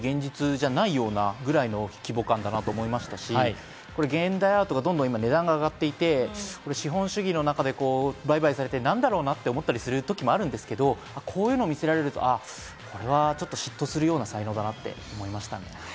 全然、非現実じゃないくらいの規模感だと思いましたし、現代アートが今、値段が上がっていて、資本主義の中で売買されて、なんだろうなと思うときもあるんですが、こういうのを見せられるとちょっと嫉妬するような才能だなと思いました。